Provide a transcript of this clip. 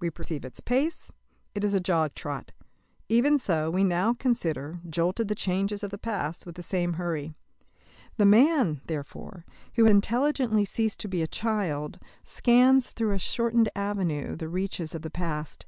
We perceive its pace; it is a jog trot. Even so, we now consider, jolted the changes of the past, with the same hurry. The man, therefore, who has intelligently ceased to be a child scans through a shortened avenue the reaches of the past.